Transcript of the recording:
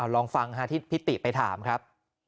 ลองฟังที่พิติไปถามครับ